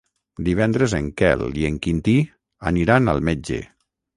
Divendres en Quel i en Quintí aniran al metge.